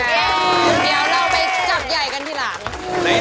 เดี๋ยวเราไปจับใหญ่กันทีหลัง